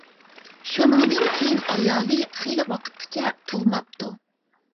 شۇنىڭدىن كېيىن ئايالى خېلى ۋاقىتقىچە تۇغماپتۇ.